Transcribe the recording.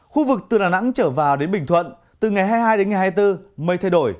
khu vực từ đà nẵng trở vào đến bình thuận từ ngày hai mươi hai đến ngày hai mươi bốn mây thay đổi